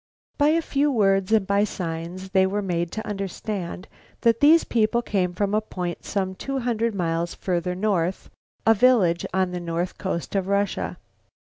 By a few words and by signs they were made to understand that these people came from a point some two hundred miles farther north, a village on the north coast of Russia.